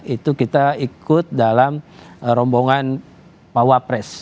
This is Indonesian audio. itu kita ikut dalam rombongan pawapres